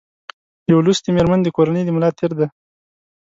یو لوستي مېرمن د کورنۍ د ملا تېر ده